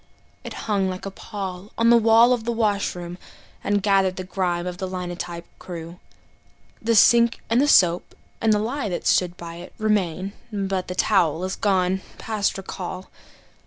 It hung like a pall on the wall of the washroom, And gathered the grime of the linotype crew. The sink and the soap and the lye that stood by it Remain; but the towel is gone past recall.